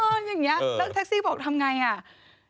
เอออย่างนี้แล้วแท็กซี่บอกทำอย่างไร